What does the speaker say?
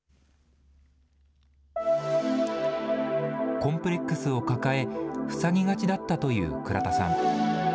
コンプレックスを抱え、塞ぎがちだったという倉田さん。